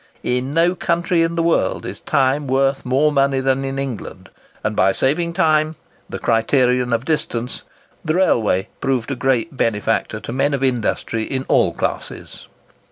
In no country in the world is time worth more money than in England; and by saving time—the criterion of distance—the railway proved a great benefactor to men of industry in all classes.